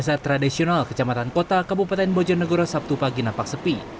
pasar tradisional kecamatan kota kabupaten bojonegoro sabtu pagi nampak sepi